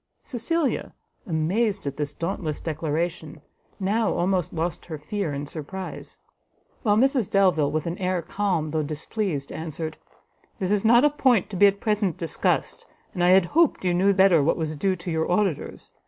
Cecilia, amazed at this dauntless declaration, now almost lost her fear in her surprise; while Mrs Delvile, with an air calm though displeased, answered, "This is not a point to be at present discussed, and I had hoped you knew better what was due to your auditors.